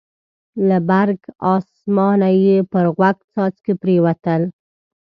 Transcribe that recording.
له برګ اسمانه یې پر غوږ څاڅکي پرېوتل.